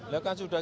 ya kan sudah